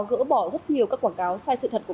gỡ bỏ rất nhiều các quảng cáo sai sự thật của